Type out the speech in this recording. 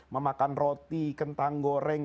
memakan roti kentang goreng